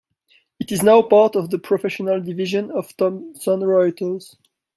It is now part of the Professional division of Thomson Reuters.